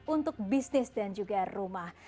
untuk bisnis dan juga rumah